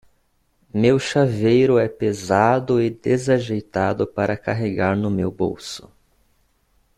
Meu chaveiro é pesado e desajeitado para carregar no meu bolso.